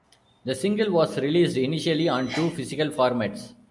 The single was released initially on two physical formats.